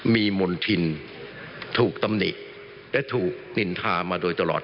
มีมณฑินถูกตำหนิและถูกนินทามาโดยตลอด